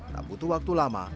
tak butuh waktu lama